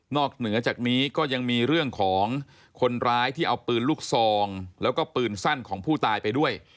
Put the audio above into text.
เหนือจากนี้ก็ยังมีเรื่องของคนร้ายที่เอาปืนลูกซองแล้วก็ปืนสั้นของผู้ตายไปด้วย